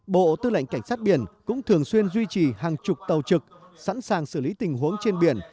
bộ tư lệnh cảnh sát biển cũng thường xuyên duy trì hàng chục tàu trực sẵn sàng xử lý tình huống trên biển